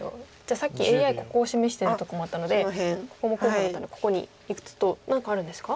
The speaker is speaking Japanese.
さっきＡＩここを示してるとこもあったのでここも候補だったのでここにいくと何かあるんですか？